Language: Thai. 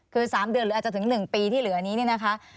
คือ๓เดือนหรืออาจจะถึง๑ปีที่เหลือนี้เนี่ยนะคะ